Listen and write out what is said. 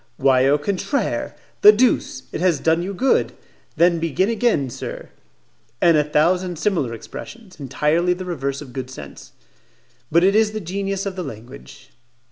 "Why au contraire! The deuce! It has done you good? Then begin again, sir." And a thousand similar expressions entirely the reverse of good sense. But it is the genius of the language.